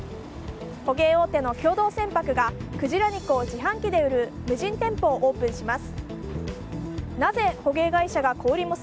捕鯨大手の共同船舶がクジラ肉を自販機で売る無人店舗をオープンします。